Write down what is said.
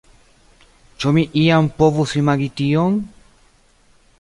Ĉu mi iam povus imagi tion?